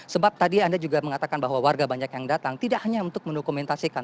sebab tadi anda juga mengatakan bahwa warga banyak yang datang tidak hanya untuk mendokumentasikan